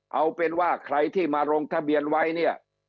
เอาเป็นว่าใครที่มาลงทะเบียนไว้เนี่ย